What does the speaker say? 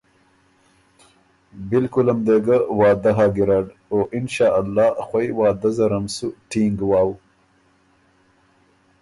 بالکل م دې ګۀ وعدۀ هۀ ګیرډ او انشأالله خوئ وعدۀ زرم سُو ټینګ وَؤ“